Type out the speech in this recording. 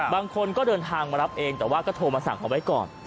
บางคนก็เดินทางมารับเองแต่ว่าก็โทรมาสั่งเอาไว้ก่อน